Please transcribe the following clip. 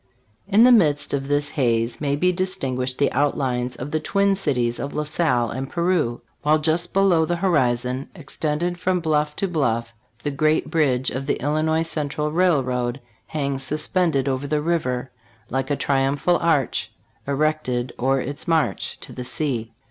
1 In the midst of this haze may be distinguished the outlines of the twin cities of La Salle and Peru; while just below the horizon, extended from bluff to INTRODUCTORY. bluff, the great bridge of the Illinois Central Railroad hangs suspended over the river, Like a triumphal arch Erected o'er its march To the sea.